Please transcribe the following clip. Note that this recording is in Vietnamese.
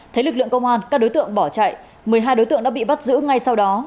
thấy lực lượng công an các đối tượng bỏ chạy một mươi hai đối tượng đã bị bắt giữ ngay sau đó